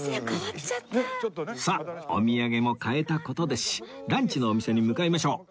さあお土産も買えた事ですしランチのお店に向かいましょう